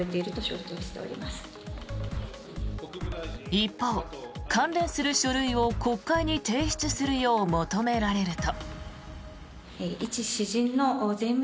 一方、関連する書類を国会に提出するよう求められると。